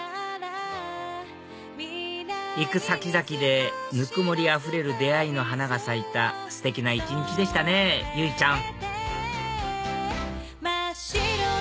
行く先々でぬくもりあふれる出会いの花が咲いたステキな一日でしたね由依ちゃん